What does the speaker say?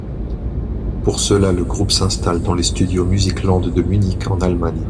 Pour cela, le groupe s'installe dans les studios Musicland de Munich en Allemagne.